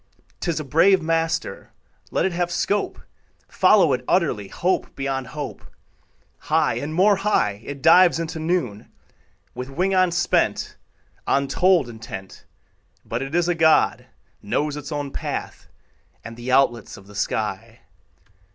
'Tis a brave master; Let it have scope: Follow it utterly, Hope beyond hope: High and more high It dives into noon, With wing unspent, Untold intent; But it is a God, Knows its own path And the outlets of the sky.